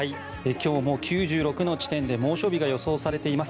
今日も９６の地点で猛暑日が予想されています。